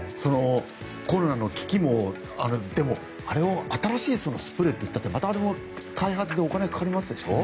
コロナの危機もただ、あれも新しいスプレーといったってまたあれも開発でお金がかかりますでしょ。